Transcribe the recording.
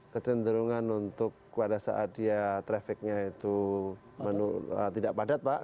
kecenderungan untuk pada saat dia trafficnya itu tidak padat pak